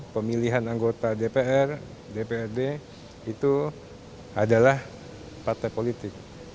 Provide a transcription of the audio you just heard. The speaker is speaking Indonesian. pemilihan anggota dpr dprd itu adalah partai politik